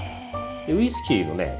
ウイスキーのね